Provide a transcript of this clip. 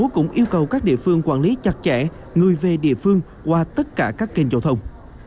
cũng yêu cầu các địa phương quản lý chặt chẽ người về địa phương qua tất cả các kênh giao thông